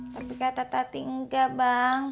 tapi kata tadi enggak bang